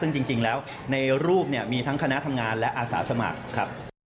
ซึ่งจริงแล้วในรูปเนี่ยมีทั้งคณะทำงานและอาสาสมัครครับ